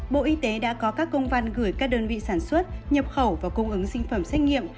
bộ y tế đã có các công văn gửi các đơn vị sản xuất nhập khẩu và cung ứng sinh phẩm xét nghiệm